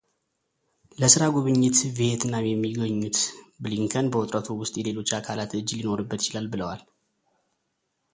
ለሥራ ጉብኝት ቪዬትናም የሚገኙት ብሊንከን በውጥረቱ ውስጥ የሌሎች አካላት እጅ ሊኖርበት ይችላል ብለዋል።